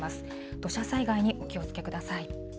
土砂災害にお気をつけください。